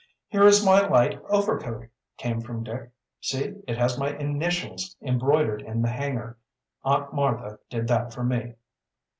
"Here is my light overcoat!" came from Dick. "See, it has my initials embroidered in the hanger. Aunt Martha did that for me."